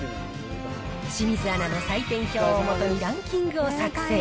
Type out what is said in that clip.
清水アナの採点表を基にランキングを作成。